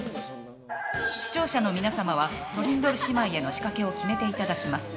視聴者の皆さまはトリンドル姉妹への仕掛けを決めていただきます。